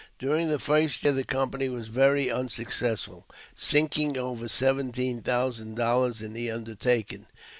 During the first year the company was very unsuccessful, sinking over seventeen thousand dollars in the undertaking.